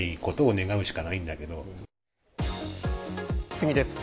次です。